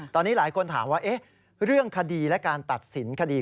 ตอนนี้หลายคนถามว่าเรื่องคดีและการตัดสินคดี